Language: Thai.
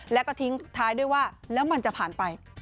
แล้วก็ทิ้งท้ายด้วยว่าแล้วมันจะผ่านไป